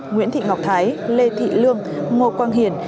nguyễn thị ngọc thái lê thị lương ngô quang hiền